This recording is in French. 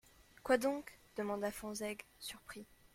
Quoi donc ? demanda Fonsègue surpris.